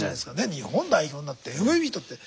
日本代表になってＭＶＰとって。